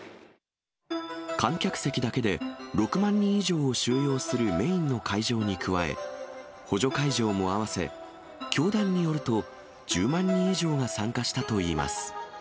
観客席だけで６万人以上を収容するメインの会場に加え、補助会場も合わせ、教団によると、１０万人以上が参加したといいます。